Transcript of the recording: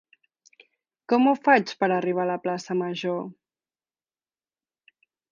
Com ho faig per arribar a la plaça Major?